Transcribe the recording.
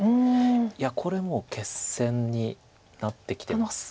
いやこれもう決戦になってきてます。